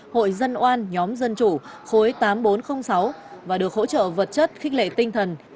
hội dân oan nhóm dân chủ khối tám nghìn bốn trăm linh sáu và được hỗ trợ vật chất khích lệ tinh thần